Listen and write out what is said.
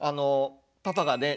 パパがね